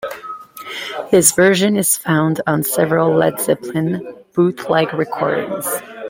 This version is found on several Led Zeppelin bootleg recordings.